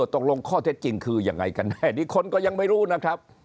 ตกลงข้อเท็จจริงคือยังไงกันแน่นี่คนก็ยังไม่รู้นะครับ